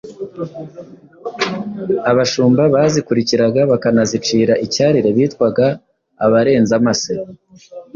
Abashumba bazikukiraga bakanazicira icyarire bitwaga abarenzamase